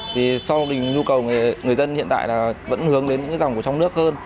thì so với nhu cầu người dân hiện tại là vẫn hướng đến những dòng của trong nước hơn